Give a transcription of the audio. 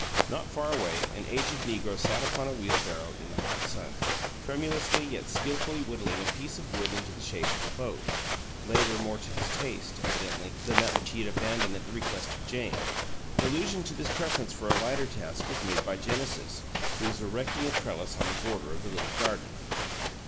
Not far away, an aged negro sat upon a wheelbarrow in the hot sun, tremulously yet skilfully whittling a piece of wood into the shape of a boat, labor more to his taste, evidently, than that which he had abandoned at the request of Jane. Allusion to this preference for a lighter task was made by Genesis, who was erecting a trellis on the border of the little garden.